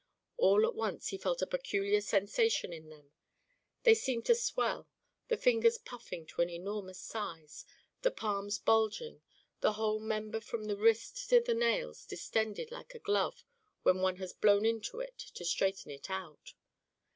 All at once he felt a peculiar sensation in them: they seemed to swell, the fingers puffing to an enormous size, the palms bulging, the whole member from the wrist to the nails distended like a glove when one has blown into it to straighten it out.